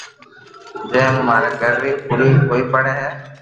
جي مو ماري گھر ري پوري ڪوئي پڙي ھي